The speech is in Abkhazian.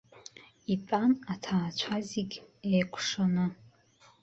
Итәан аҭаацәа зегь еикәшаны.